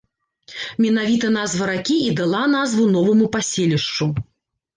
Менавіта назва ракі і дала назву новаму паселішчу.